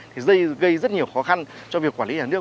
thì gây rất nhiều khó khăn cho việc quản lý nhà nước